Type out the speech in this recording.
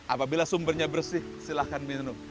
apabila sumbernya bersih silahkan minum